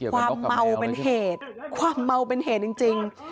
ความเมาเป็นเหตุความเมาเป็นเหตุจริง